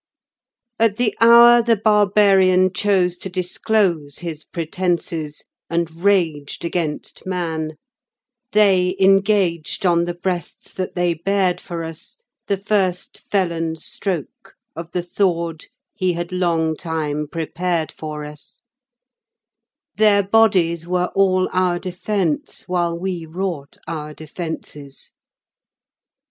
At the hour the Barbarian chose to disclose his pretences, And raged against Man, they engaged, on the breasts that they bared for us, The first felon stroke of the sword he had long time prepared for us Their bodies were all our defence while we wrought our defences.